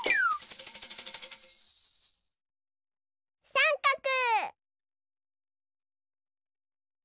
さんかく！